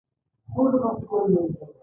وسله باید د خلکو تر منځ وېره خپره نه کړي